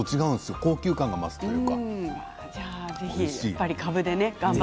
高級感が増すというか。